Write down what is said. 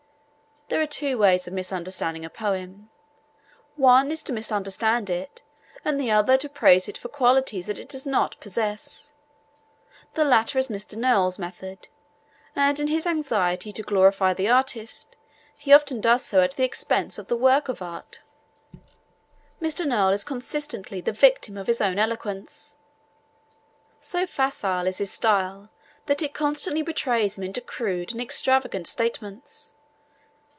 There are two ways of misunderstanding a poem. One is to misunderstand it and the other to praise it for qualities that it does not possess. The latter is Mr. Noel's method, and in his anxiety to glorify the artist he often does so at the expense of the work of art. Mr. Noel also is constantly the victim of his own eloquence. So facile is his style that it constantly betrays him into crude and extravagant statements.